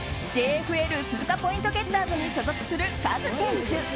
ＪＦＬ鈴鹿ポイントゲッターズに所属するカズ選手。